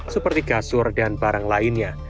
seperti kasur dan barang lainnya